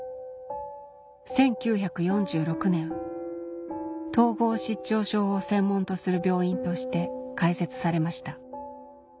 １９４６年統合失調症を専門とする病院として開設されました